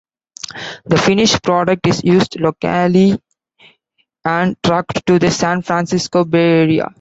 The finished product is used locally and trucked to the San Francisco Bay area.